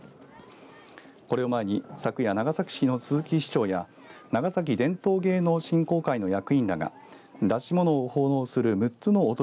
これを前に昨夜長崎市の鈴木市長や長崎伝統芸能振興会の役員らが演し物を奉納する６つの踊